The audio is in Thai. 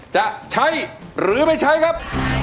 จะใช้หรือไม่ใช้ครับ